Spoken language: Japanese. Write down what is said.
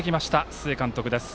須江監督です。